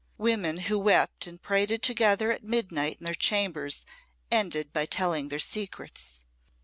Women who wept and prated together at midnight in their chambers ended by telling their secrets.